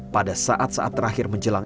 pada saat saat terakhir menjelang